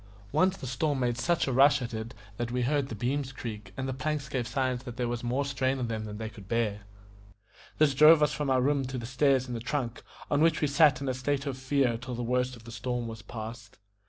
Once the storm made such a rush at it that we heard the beams creak, and the planks gave signs that there was more strain on them than they could bear. This drove us from our room to the stairs in the trunk, on which we sat in a state of fear till the worst of the storm was past.